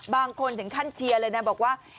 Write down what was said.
บางคนถึงขั้นเชียร์เลยนะบอกว่า